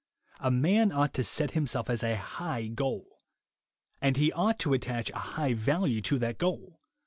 A man ought to set himself a high goal, and he ought to attach a high value to that goal.